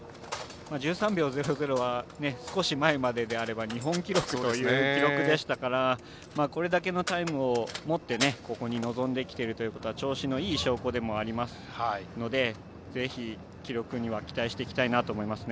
１３秒００は少し前では日本記録という記録でしたからこれだけのタイムをもってここに臨んできてるということは調子のいい証拠でもありますのでぜひ、記録には期待していきたいと思います。